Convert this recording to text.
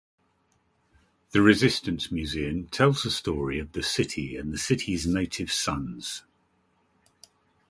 The Resistance Museum tells the story of the city and the city's native sons.